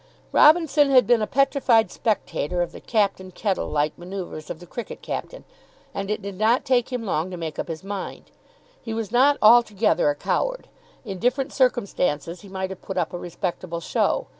Robinson had been a petrified spectator of the Captain Kettle like manoeuvres of the cricket captain, and it did not take him long to make up his mind. He was not altogether a coward. In different circumstances he might have put up a respectable show.